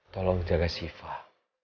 tolong jaga sifah